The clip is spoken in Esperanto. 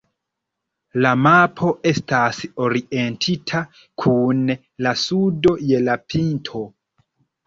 La mapo estas orientita kun la sudo je la pinto.